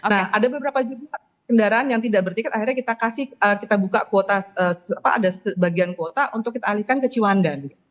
nah ada beberapa juga kendaraan yang tidak bertiket akhirnya kita kasih kita buka kuota ada sebagian kuota untuk kita alihkan ke ciwandan